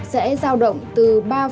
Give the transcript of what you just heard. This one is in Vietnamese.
sẽ giao động từ ba một trăm hai mươi chín